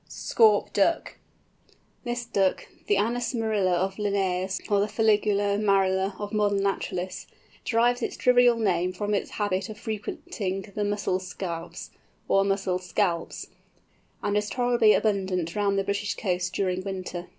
SCAUP DUCK. This Duck, the Anas marila of Linnæus, or Fuligula marila of modern naturalists, derives its trivial name from its habit of frequenting the "mussel scaups," or "mussel scalps," and is tolerably abundant round the British coasts during winter.